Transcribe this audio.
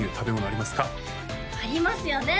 ありますよね？